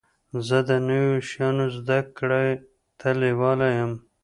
زه د نوو شیانو زده کړي ته لېواله يم.